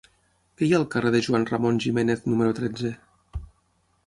Què hi ha al carrer de Juan Ramón Jiménez número tretze?